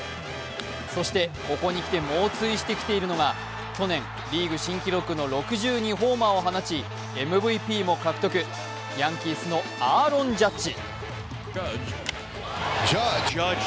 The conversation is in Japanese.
そしてここにきて猛追してきているのが去年、リーグ新記録の６２ホーマーを放ちＭＶＰも獲得、ヤンキースのアーロン・ジャッジ。